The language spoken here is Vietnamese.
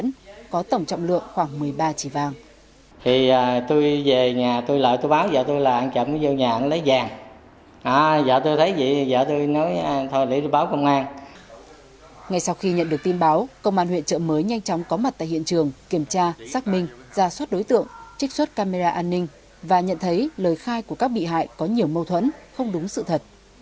ngày sau khi nhận được tin báo công an huyện trợ mới nhanh chóng có mặt tại hiện trường kiểm tra xác minh ra suất đối tượng trích suất camera an ninh và nhận thấy lời khai của các bị hại có nhiều mâu thuẫn không đúng sự thật